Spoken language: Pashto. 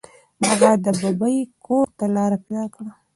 هغه د ببۍ کور ته لاره پیدا کړه.